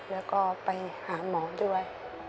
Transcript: แล้วก็ไปหาหมอด้วย